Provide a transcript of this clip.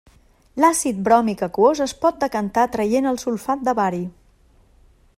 L'àcid bròmic aquós es pot decantar traient el sulfat de bari.